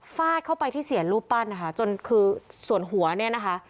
ฟาดเข้าไปที่เสียรูปปั้นนะคะจนคือส่วนหัวเนี่ยนะคะ